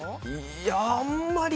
いや、あんまり。